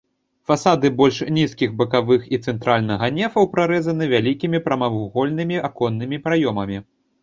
Фасады больш нізкіх бакавых і цэнтральнага нефаў прарэзаны вялікімі прамавугольнымі аконнымі праёмамі.